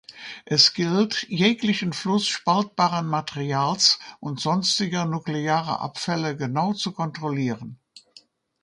Es gilt, jeglichen Fluss spaltbaren Materials und sonstiger nuklearer Abfälle genau zu kontrollieren.